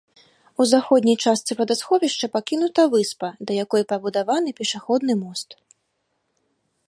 У заходняй частцы вадасховішча пакінута выспа, да якой пабудаваны пешаходны мост.